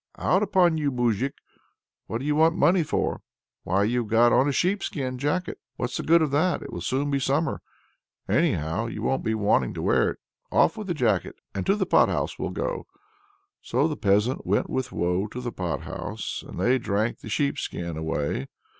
"Out upon you, moujik! What do you want money for? why you've got on a sheep skin jacket. What's the good of that? It will soon be summer; anyhow you won't be wanting to wear it. Off with the jacket, and to the pot house we'll go." So the peasant went with Woe into the pot house, and they drank the sheep skin away.